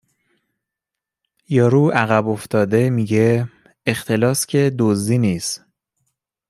یارو عقب افتاده میگه اختلاس که دزدی نیست